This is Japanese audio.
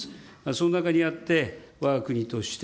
その中にあって、わが国として、